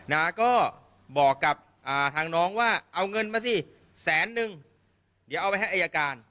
นะก็บอกกับอ่าทางน้องว่าเอาเงินมาสิแสนนึงเดี๋ยวเอาไปให้อายการ